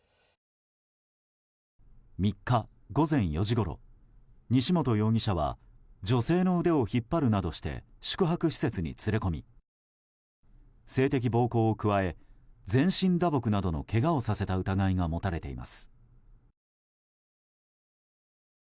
３日午前４時ごろ、西本容疑者は女性の腕を引っ張るなどして宿泊施設に連れ込み性的暴行を加え全身打撲などのけがをさせた疑いが持たれています。